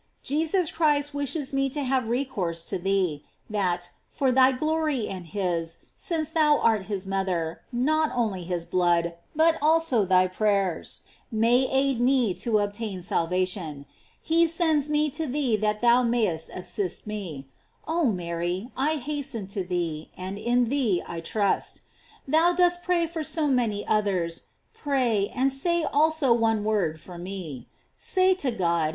Jesus Christ wishes me to have recourse to thee, that, for thy glory and his, since thou art his mother, not only his blood, but also thy prayers, may aid me to obtain salvation. He sends me to thee that thou mayest assist me. Oh Mary, I hasten to thee, and in thee I trust. Thou dost pray for so many others, pray, and say also one word for me.